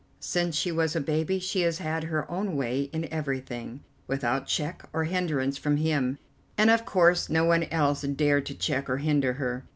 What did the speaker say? Since she was a baby she has had her own way in everything, without check or hindrance from him, and of course no one else dared to check or hinder her.